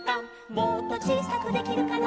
「もっとちいさくできるかな」